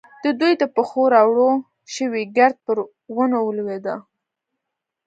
د دوی د پښو راولاړ شوی ګرد پر ونو لوېده.